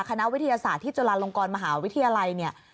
คณะวิทยาศาสตร์ที่จุฬาลงกรมหาวิทยาลัยเนี่ย